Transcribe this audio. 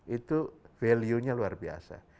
itu value nya luar biasa